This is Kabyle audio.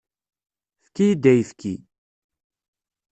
Efk-iyi-d ayefki.